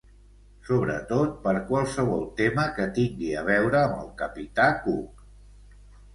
Sobretot per qualsevol tema que tingui a veure amb el capità Cook.